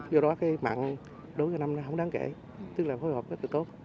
do đó cái mặn đối với năm nay không đáng kể tức là hối hợp rất là tốt